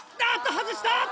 外した！